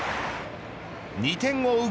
２点を追う